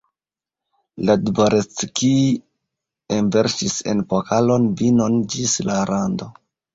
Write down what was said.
La dvoreckij enverŝis en pokalon vinon ĝis la rando.